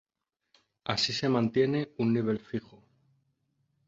Así se mantiene un nivel fijo.